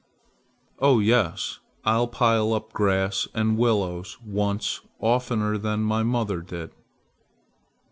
"Oh, yes. I'll pile up grass and willows once oftener than my mother did."